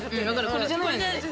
これじゃない。